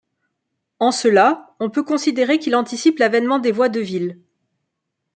En cela, on peut considérer qu’il anticipe l’avènement des voix de ville.